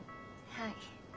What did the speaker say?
はい。